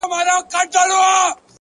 خپل راتلونکی په نن جوړ کړئ،